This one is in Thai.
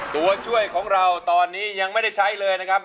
ตัวช่วยของเราตอนนี้ยังไม่ได้ใช้เลยนะครับ